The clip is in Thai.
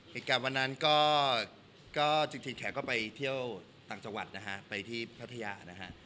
เหตุการณ์วันนั้นก็จริงแขกก็ไปเที่ยวต่างจังหวัดนะฮะไปที่พัทยานะฮะ